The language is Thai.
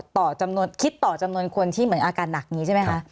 ต่อจำนวนคิดต่อจำนวนคนที่เหมือนอาการหนักนี้ใช่ไหมคะ